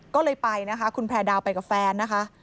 ก็เลยไปนะคะคุณแพร่ดาวไปกับแฟนนะคะ